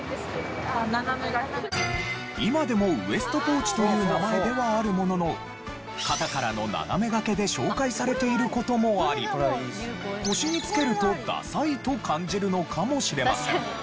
今でもウエストポーチという名前ではあるものの肩からの斜めがけで紹介されている事もあり腰に着けるとダサいと感じるのかもしれません。